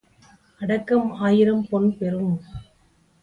அடக்கம் ஆயிரம் பொன் பெறும்.